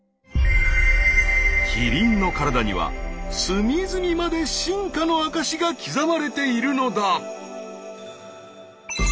キリンの体には隅々まで進化の証しが刻まれているのだ。